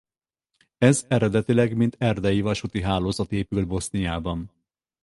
Ez eredetileg mint erdei vasúti hálózat épült Boszniában.